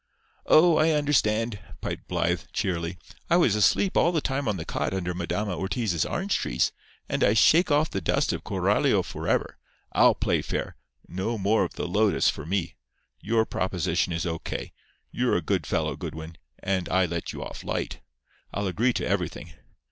"Oh, I understand," piped Blythe, cheerily. "I was asleep all the time on the cot under Madama Ortiz's orange trees; and I shake off the dust of Coralio forever. I'll play fair. No more of the lotus for me. Your proposition is O. K. You're a good fellow, Goodwin; and I let you off light. I'll agree to everything.